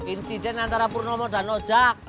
insiden antara purnomo dan oja